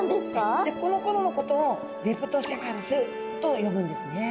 このころのことをレプトセファルスと呼ぶんですね。